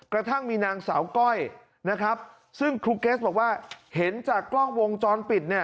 กระทั่งมีนางสาวก้อยซึ่งครูเกรสบอกว่าเห็นจากกล้องวงจรปิด